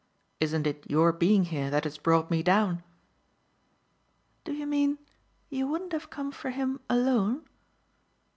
Isn't it your being here that has brought me down?" "Do you mean you wouldn't have come for him alone?